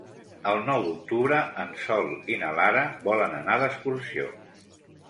El nou d'octubre en Sol i na Lara volen anar d'excursió.